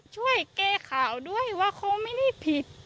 ช่วยแก้ข่าวด้วยว่าเขาไม่ได้ผิด